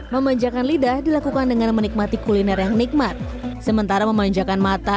memanjakan lidah dilakukan dengan menikmati kuliner yang nikmat sementara memanjakan mata